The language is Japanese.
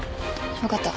分かった。